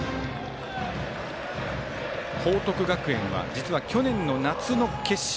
報徳学園は実は去年の夏の決勝